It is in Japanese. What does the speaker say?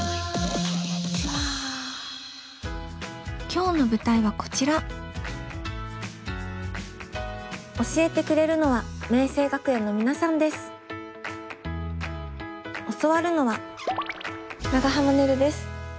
今日の舞台はこちら教えてくれるのは教わるのは長濱ねるです。